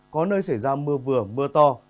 có nơi xảy ra mưa vừa mưa to